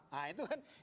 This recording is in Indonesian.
nah itu kan